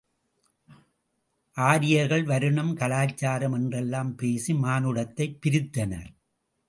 ஆரியர்கள், வருணம், கலாசாரம் என்றெல்லாம் பேசி மானுடத்தைப் பிரித்தனர்.